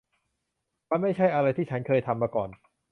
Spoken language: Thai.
มันไม่ใช่อะไรที่ฉันเคยทำมาก่อน